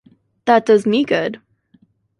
That does me good!